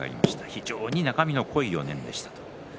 非常に中身の濃い４年でした。